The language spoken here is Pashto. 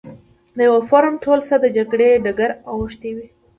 د یوه فورم ټول څه د جګړې ډګر اوښتی وي.